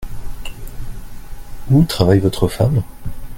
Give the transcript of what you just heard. Où travaille votre femme ?